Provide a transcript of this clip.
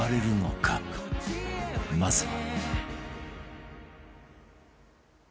まずは